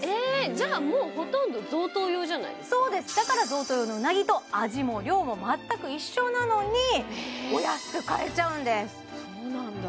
じゃあもうほとんど贈答用じゃないですかそうですだから贈答用のうなぎと味も量も全く一緒なのにお安く買えちゃうんですそうなんだ